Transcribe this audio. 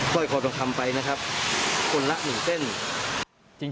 ล้อยคอร์กลงคำไปนะครับคนละหนึ่งเซ่น